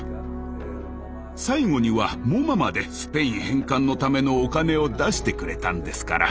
最後にはＭｏＭＡまでスペイン返還のためのお金を出してくれたんですから。